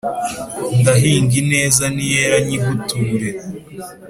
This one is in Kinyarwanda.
ndahinga ineza niyera nyiguture